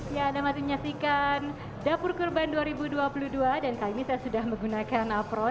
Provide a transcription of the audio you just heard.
ya anda masih menyaksikan dapur kurban dua ribu dua puluh dua dan kali ini saya sudah menggunakan apron